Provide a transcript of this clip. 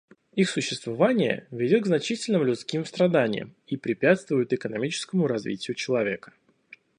Их существование ведет к значительным людским страданиям и препятствует экономическому развитию человека.